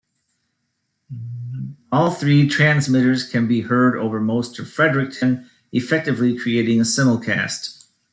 All three transmitters can be heard over most of Fredericton, effectively creating a simulcast.